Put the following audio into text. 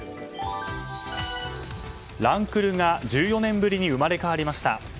ランクルが１４年ぶりに生まれ変わりました。